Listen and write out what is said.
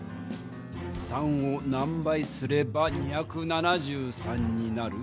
３を何倍すれば２７３になる？